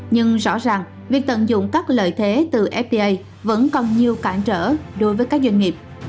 nhưng rõ ràng việc tận dụng các lợi thế từ fda vẫn còn nhiều cản trở đối với các doanh nghiệp